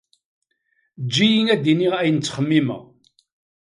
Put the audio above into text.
Ejj-iyi ad d-iniɣ ayen ttxemmimeɣ.